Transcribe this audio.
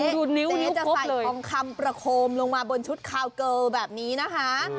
ดูนิ้วนี้จะใส่ทองคำประโคมลงมาบนชุดคาวเกิลแบบนี้นะคะ